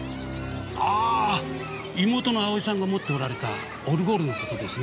ああ妹の葵さんが持っておられたオルゴールの事ですね。